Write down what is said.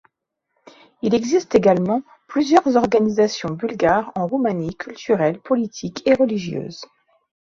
Il existe également plusieurs organisations bulgares en Roumanie, culturelles, politiques et religieuses.